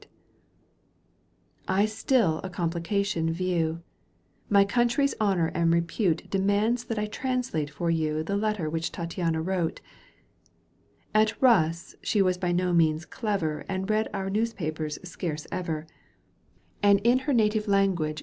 I still a complication view, My country's honour and repute Demands that I translate for you The letter which Tattiana wrote. At Euss she was by no means clever And read our newspapers scarce ever. And in her native language she G Digitized by Сл OOQ 1С